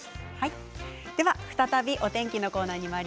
再びお天気のコーナーです。